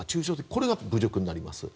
これが侮辱になります。